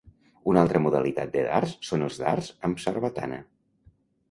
Una altra modalitat de dards són els dards amb sarbatana.